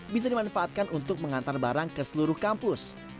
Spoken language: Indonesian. bisa dimanfaatkan untuk mengantar barang ke seluruh kampus